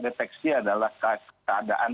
deteksi adalah keadaan